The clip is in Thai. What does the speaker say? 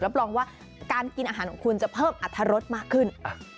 รองว่าการกินอาหารของคุณจะเพิ่มอรรถรสมากขึ้น